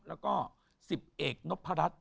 แล้วก็๑๐เอกนพรัช